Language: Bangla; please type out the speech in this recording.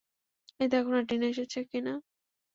এই দেখ না, টিনা এসেছে কি না।